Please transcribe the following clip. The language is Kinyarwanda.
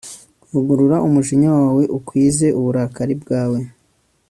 vugurura umujinya wawe, ukwize uburakari bwawe